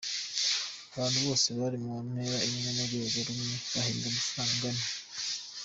Abantu bose bari mu ntera imwe, mu rwego rumwe bahembwa amafaranga angana.